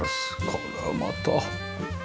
これはまた。